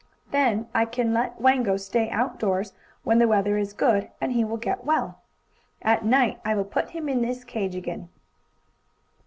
Then I can let Wango stay outdoors when the weather is good, and he will get well. At night I will put him in his cage again."